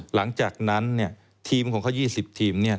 หลังจากนั้นเนี่ยทีมของเขา๒๐ทีมเนี่ย